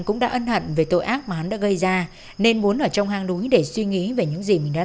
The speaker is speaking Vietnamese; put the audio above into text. nhưng hãy chắc needs toàn bộ